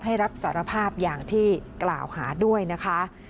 ให้รับสารภาพอย่างที่กล่าวหาด้วยนะคะ